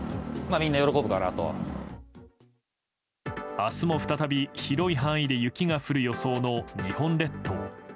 明日も再び広い範囲で雪が降る予想の日本列島。